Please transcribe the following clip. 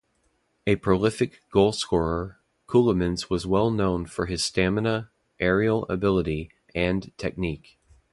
A prolific goalscorer, Ceulemans was well known for his stamina, aerial ability and technique.